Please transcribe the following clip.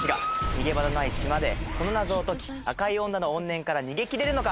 逃げ場のない島でこの謎を解き赤い女の怨念から逃げきれるのか。